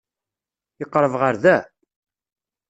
Yeqreb ɣer da?